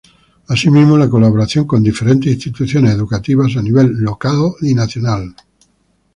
Así mismo, la colaboración con diferentes instituciones educativas a nivel local y nacional.